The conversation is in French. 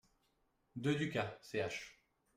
deux Ducas, ch.